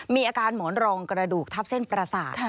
มีอาการหมอนรองกระดูกทับเส้นประสาท